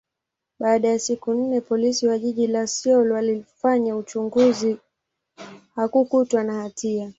baada ya siku nne, Polisi wa jiji la Seoul walifanya uchunguzi, hakukutwa na hatia.